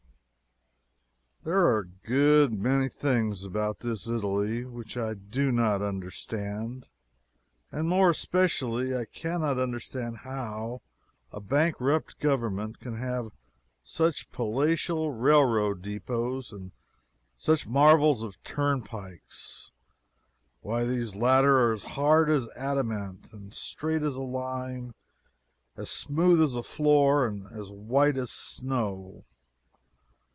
There are a good many things about this Italy which I do not understand and more especially I can not understand how a bankrupt Government can have such palatial railroad depots and such marvels of turnpikes. Why, these latter are as hard as adamant, as straight as a line, as smooth as a floor, and as white as snow.